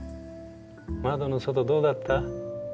窓の外どうだった？